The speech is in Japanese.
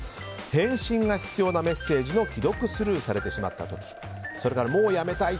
返信が必要なメッセージの既読スルーされてしまった時それから、もうやめたい。